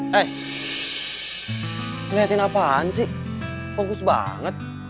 hei ngeliatin apaan sih fokus banget